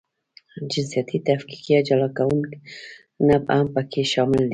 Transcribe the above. جنسیتي تفکیک یا جلاکونه هم پکې شامل دي.